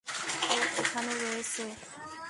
ওহ, এখানে রয়েছে।